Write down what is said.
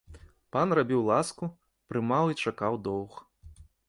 Пан рабіў ласку, прымаў і чакаў доўг.